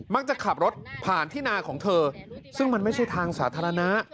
จะขับรถผ่านที่นาของเธอซึ่งมันไม่ใช่ทางสาธารณะ